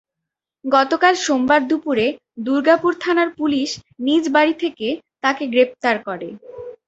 গতকাল সোমবার দুপুরে দুর্গাপুর থানার পুলিশ নিজ বাড়ি থেকে তাঁকে গ্রেপ্তার করে।